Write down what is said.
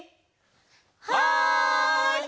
はい！